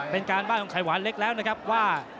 เป็นการว่าราชินีลิกละครับว่า